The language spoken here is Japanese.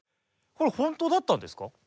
これ本当だったんですか？